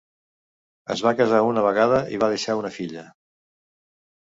Es va casar una vegada i va deixar una filla.